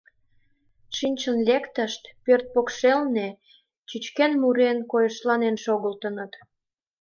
Шинчын лектышт пӧрт покшелне, чӱчкен-мурен, койышланен шогылтыныт.